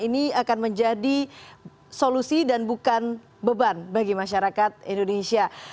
ini akan menjadi solusi dan bukan beban bagi masyarakat indonesia